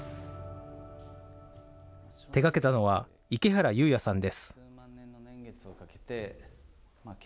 手がけたのは、池原勇矢さんです。